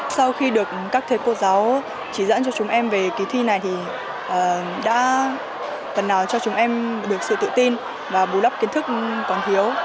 sau khi được các thầy cô giáo chỉ dẫn cho chúng em về kỳ thi này thì đã phần nào cho chúng em được sự tự tin và bù đắp kiến thức còn thiếu